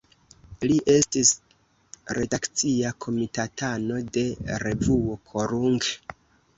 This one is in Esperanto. Li estis redakcia komitatano de revuo "Korunk".